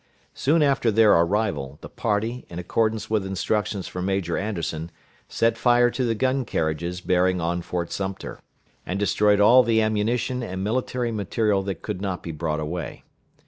Soon after their arrival, the party, in accordance with instructions from Major Anderson, set fire to the gun carriages bearing on Fort Sumter, and destroyed all the ammunition and military material that could not be brought away.